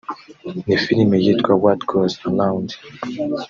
Ni filime yitwa What goes around